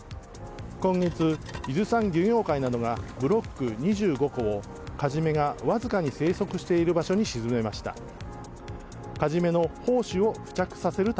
今月、伊豆山漁業会などがブロック２５個をカジメがわずかに生息している場所に沈めました。